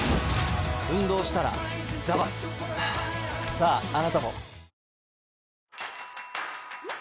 ああなたも。